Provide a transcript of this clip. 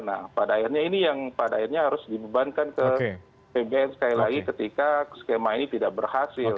nah pada akhirnya ini yang pada akhirnya harus dibebankan ke pbn sekali lagi ketika skema ini tidak berhasil